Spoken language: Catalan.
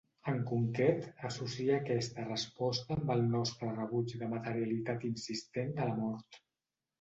En concret, associa aquesta resposta amb el nostre rebuig de la materialitat insistent de la mort.